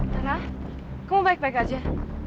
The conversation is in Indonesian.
tanah kamu baik baik aja